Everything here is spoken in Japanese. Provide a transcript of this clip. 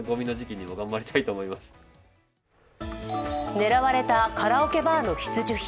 狙われたカラオケバーの必需品。